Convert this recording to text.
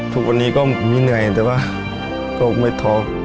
ทุกวันนี้ก็มีเหนื่อยแต่ว่าก็ไม่ท้อ